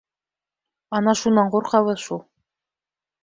Ана шунан ҡурҡабыҙ шул.